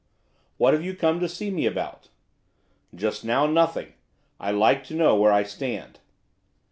'What have you come to see me about?' 'Just now, nothing. I like to know where I stand.